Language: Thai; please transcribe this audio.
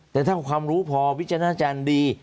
แต่ถ้าความรู้พอวิจารณ์ดี